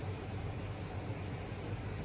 ติดลูกคลุม